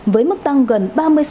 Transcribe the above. với mức tăng gần ba mươi sáu